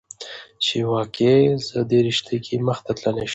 چې واقعا زه دې رشته کې مخته تللى شم.